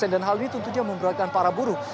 dan hal ini tuntutnya memberatkan para buruh